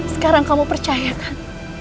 sekarang kamu percayakan